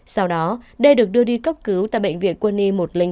sau đó d được đưa đi cấp cứu tại bệnh viện quân y một trăm linh năm